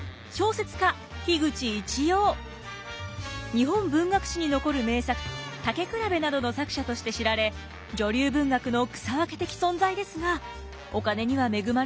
日本文学史に残る名作「たけくらべ」などの作者として知られ女流文学の草分け的存在ですがお金には恵まれませんでした。